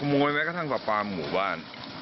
มวยแม้กระทั่งประปาหมู่บ้าน